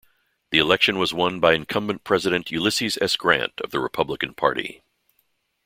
The election was won by incumbent President Ulysses S. Grant of the Republican Party.